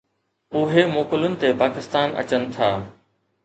اهي موڪلن تي پاڪستان اچن ٿا.